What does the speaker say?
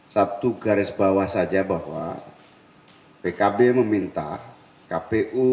satu garis bawah saja bahwa pkb meminta kpu